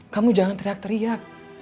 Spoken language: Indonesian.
kamu jangan teriak teriak